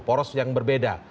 poros yang berbeda